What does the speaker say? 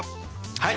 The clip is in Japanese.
はい！